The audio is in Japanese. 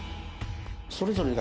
それぞれが。